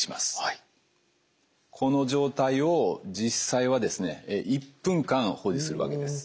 この状態を実際はですね１分間保持するわけです。